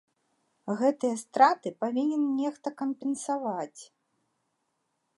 Гэтыя страты павінен нехта кампенсаваць.